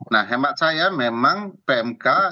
nah hemat saya memang pmk